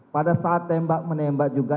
pada saat tembak menembak juga